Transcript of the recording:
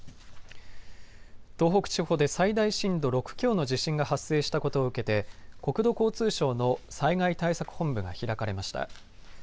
東北地方で最大震度６強の地震が発生したことを受けて国土交通省の災害対策本部が開かれました。